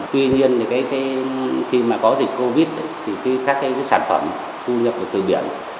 tuy nhiên thì khi mà có dịch covid thì các cái sản phẩm thu nhập từ biển